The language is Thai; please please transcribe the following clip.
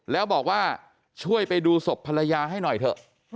แล้วบอกว่าช่วยไปดูศพภรรยาให้หน่อยเถอะ